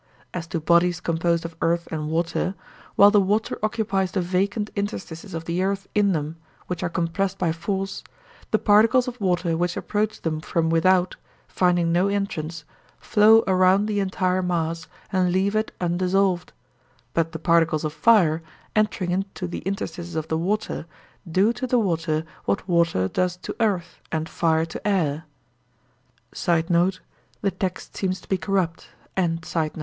As to bodies composed of earth and water, while the water occupies the vacant interstices of the earth in them which are compressed by force, the particles of water which approach them from without, finding no entrance, flow around the entire mass and leave it undissolved; but the particles of fire, entering into the interstices of the water, do to the water what water does to earth and fire to air (The text seems to be corrupt.)